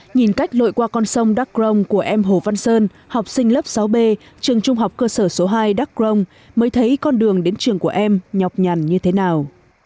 nhìn cách lội qua con sông đắk rông của em hồ văn sơn học sinh lớp sáu b trường trung học cơ sở số hai đắk rồng mới thấy con đường đến trường của em nhọc nhằn như thế nào